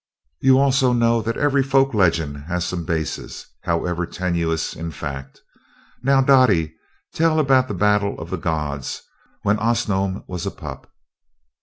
You also know that every folk legend has some basis, however tenuous, in fact. Now, Dottie, tell about the battle of the gods, when Osnome was a pup."